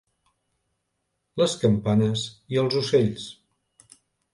Les campanes i els ocells.